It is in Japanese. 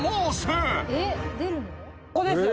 ここですよ。